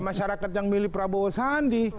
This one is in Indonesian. masyarakat yang milih prabowo sandi